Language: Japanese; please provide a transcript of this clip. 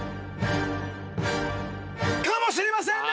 かもしれませんね！